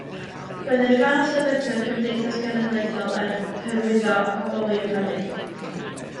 Roedd yn rhan o sefydlu'r Gymdeithas Genedlaethol er Hyrwyddo Pobl Liw hefyd.